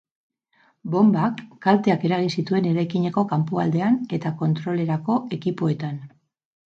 Bonbak kalteak eragin zituen eraikineko kanpoaldean eta kontrolerako ekipoetan.